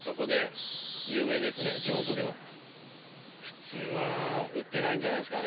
普通は売ってないんじゃないですかね。